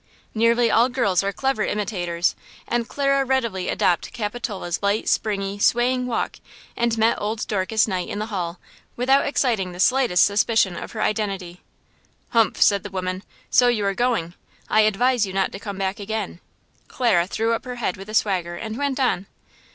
Nearly all girls are clever imitators, and Clara readily adopted Capitola's light, springy, swaying walk, and met old Dorcas Knight in the hall, without exciting the slightest suspicion of her identity. "Humph!" said the woman; "so you are going! I advise you not to come back again!" Clara threw up her head with a swagger, and went on.